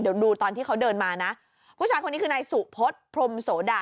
เดี๋ยวดูตอนที่เขาเดินมานะผู้ชายคนนี้คือนายสุพศพรมโสดะ